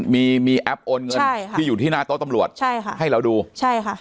มีมีแอปโอนเงินใช่ค่ะที่อยู่ที่หน้าโต๊ะตำรวจใช่ค่ะให้เราดูใช่ค่ะ